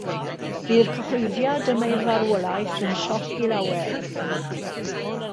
Bu'r cyhoeddiad am ei farwolaeth yn sioc i lawer.